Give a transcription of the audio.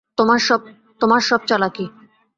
তোমার সব চালাকি।